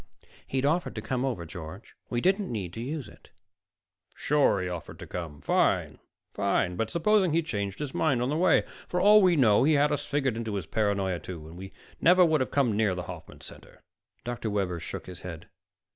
"He'd offered to come over, George. We didn't need to use it." "Sure, he offered to come fine, fine. But supposing he changed his mind on the way? For all we know, he had us figured into his paranoia, too, and never would have come near the Hoffman Center." Dr. Webber shook his head.